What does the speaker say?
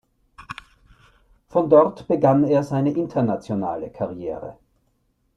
Von dort begann er seine internationale Karriere.